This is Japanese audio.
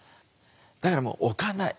だからもう置かない。